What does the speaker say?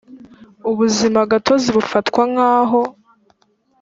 ubuzimagatozi bafatwa nk aho